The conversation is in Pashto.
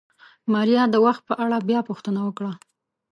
ماريا د وخت په اړه بيا پوښتنه وکړه.